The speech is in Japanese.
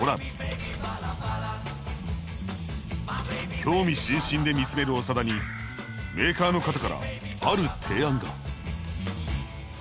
興味津々で見つめる長田にメーカーの方からある提案が。